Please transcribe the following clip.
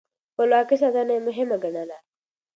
د خپلواکۍ ساتنه يې مهمه ګڼله.